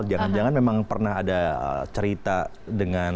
jangan jangan memang pernah ada cerita dengan